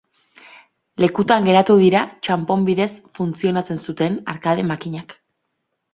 Lekutan geratu dira txanpon bidez funtzionatzen zuten arkade makinak.